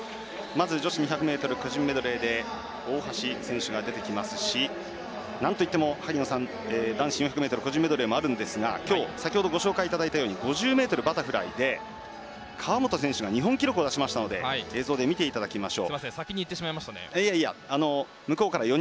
６日間、ぜひ、この放送でお楽しみいただきたいと思いますが今日、大会初日はまず女子２００ｍ個人メドレーで大橋選手が出てきますしなんといっても萩野さん男子４００ｍ個人メドレーもあるんですが今日、先ほどご紹介いただいたように５０ｍバタフライで川本選手が日本記録を出しましたので映像で見ていきましょう。